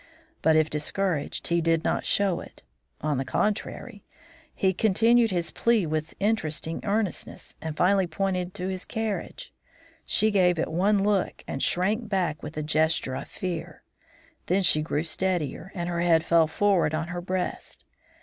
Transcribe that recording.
But if discouraged, he did not show it; on the contrary, he continued his plea with increasing earnestness, and finally pointed to his carriage. She gave it one look and shrank back with a gesture of fear; then she grew steadier and her head fell forward on her breast.